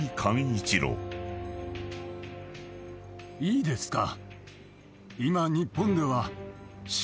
いいですか。